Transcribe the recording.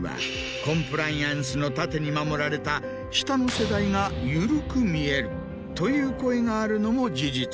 コンプライアンスの盾に守られた下の世代がゆるく見えるという声があるのも事実。